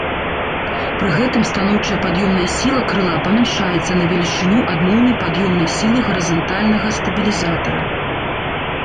Пры гэтым станоўчая пад'ёмная сіла крыла памяншаецца на велічыню адмоўнай пад'ёмнай сілы гарызантальнага стабілізатара.